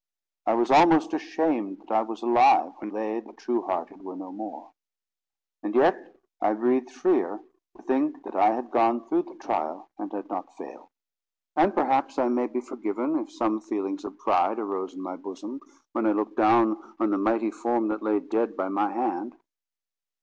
I was almost ashamed that I was alive, when they, the true hearted, were no more. And yet I breathed freer to think that I had gone through the trial, and had not failed. And perhaps I may be forgiven, if some feelings of pride arose in my bosom, when I looked down on the mighty form that lay dead by my hand.